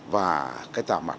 và cái tàu mặt